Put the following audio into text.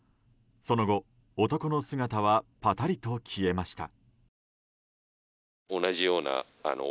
その後、男の姿はぱたりと消えました。